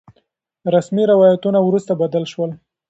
رسمي روايتونه وروسته بدل شول.